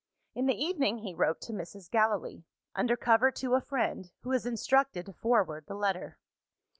In the evening, he wrote to Mrs. Gallilee under cover to a friend, who was instructed to forward the letter.